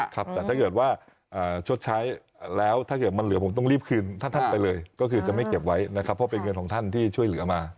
แต่ถ้าเกิดว่าชดใช้แล้วถ้าเกิดมันเหลือผมต้องรีบคืนท่านไปเลยก็คือจะไม่เก็บไว้นะครับเพราะเป็นเงินของท่านที่ช่วยเหลือมา